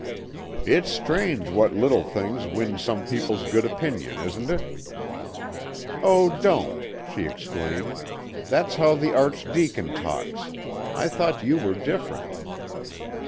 "It's strange what little things win some people's good opinion, isn't it?" "Oh! don't," she exclaimed. "That's how the Archdeacon talks. I thought you were different."